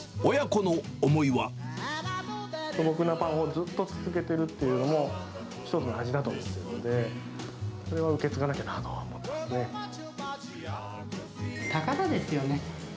素朴なパンをずっと続けてるっていうのも、一つの味だと思っているので、それは受け継がなき宝ですよね。